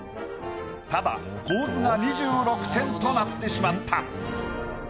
ただ構図が２６点となってしまった。